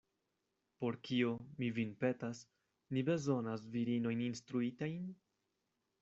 Por kio, mi vin petas, ni bezonas virinojn instruitajn?